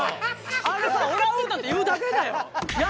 「あれさオランウータンって言うだけだよ」。